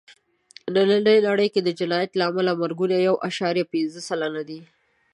نننۍ نړۍ کې د جنایت له امله مرګونه یو عشاریه پینځه سلنه دي.